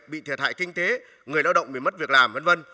bị thiệt hại kinh tế người lao động bị mất việc làm v v